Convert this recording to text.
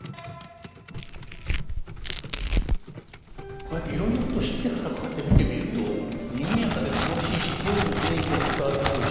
こうやっていろんなこと知ってからこうやって見てみるとにぎやかで楽しいし当時の雰囲気が伝わってくるし。